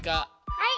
はい！